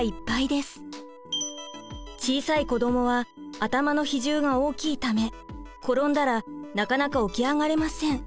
小さい子どもは頭の比重が大きいため転んだらなかなか起き上がれません。